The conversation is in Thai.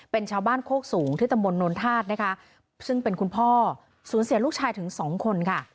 เป็นชาวบ้านโคกสูงที่ตำบลนธาตุนะคะซึ่งเป็นคุณพ่อสูญเสียลูกชายถึงสองคนค่ะ